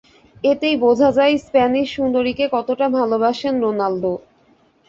এতেই বোঝা যায়, স্প্যানিশ সুন্দরীকে কতটা ভালোবাসেন রোনালদো।